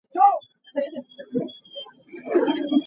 Hakha i a hnubik khuang a cawi mi kha ahodah a si?